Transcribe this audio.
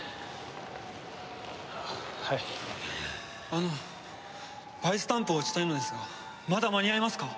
あのバイスタンプを打ちたいのですがまだ間に合いますか？